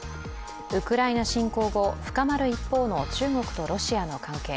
ウクライナ侵攻後、深まる一方の中国とロシアの関係。